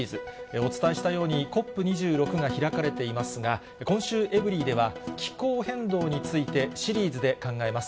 お伝えしたように、ＣＯＰ２６が開かれていますが、今週、エブリィでは、気候変動についてシリーズで考えます。